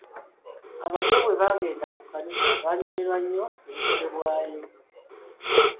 Abato bwe bagenda ku kkanisa banyumirwa nnyo ebikolebwayo.